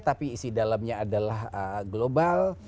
tapi isi dalamnya adalah global